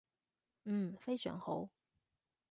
嗯，非常好